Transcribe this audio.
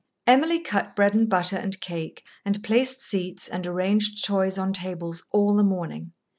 Emily cut bread and butter and cake, and placed seats and arranged toys on tables all the morning.